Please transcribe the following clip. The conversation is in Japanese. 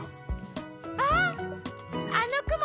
あっあのくも